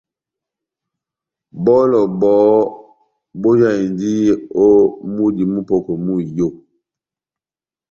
Bɔlɔ bɔhɔ́ bojahindi ó múdi múpɔkwɛ mú iyó.